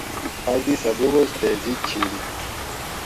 آۤک دی سہ بغض تے ضِد چھیری